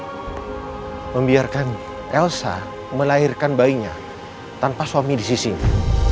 apa kamu tega membiarkan elsa melahirkan bayinya tanpa suami di sisimu